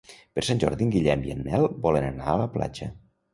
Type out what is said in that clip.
Per Sant Jordi en Guillem i en Nel volen anar a la platja.